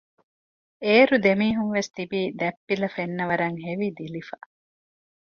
އޭރު ދެމީހުންވެސް ތިބީ ދަތްޕިލާ ފެންނަވަރަށް ހެވިދިލިފަ